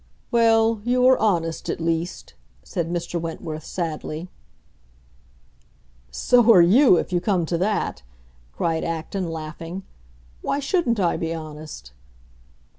"Well, you are honest, at least," said Mr. Wentworth, sadly. "So are you, if you come to that!" cried Acton, laughing. "Why shouldn't I be honest?"